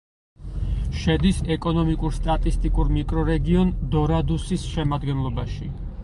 შედის ეკონომიკურ-სტატისტიკურ მიკრორეგიონ დორადუსის შემადგენლობაში.